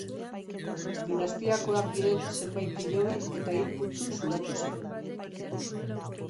Dinastiakoak diren zenbait hilobi eta hil putzu zulatu ziren.